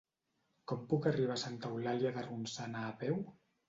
Com puc arribar a Santa Eulàlia de Ronçana a peu?